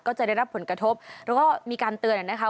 จะได้รับผลกระทบแล้วก็มีการเตือนนะคะ